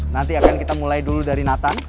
nanti akan kita mulai dulu dari natan